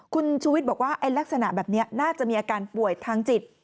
คุณชูวิทย์บอกว่าลักษณะแบบนี้น่าจะมีอาการป่วยทางจิต